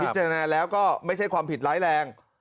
จารณ์แล้วก็ไม่ใช่ความผิดร้ายแรง